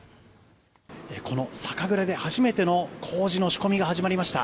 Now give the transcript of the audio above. この酒蔵で初めての麹の仕込みが始まりました。